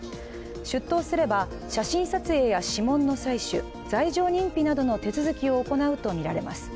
出頭すれば写真撮影や指紋の採取、罪状認否などの手続きを行うとみられます。